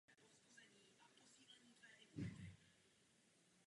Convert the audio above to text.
V polovině března už byla kometa bez obtíží viditelná velkým triedrem na tmavé obloze.